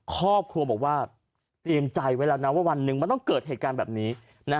ครอบครัวบอกว่าเตรียมใจไว้แล้วนะว่าวันหนึ่งมันต้องเกิดเหตุการณ์แบบนี้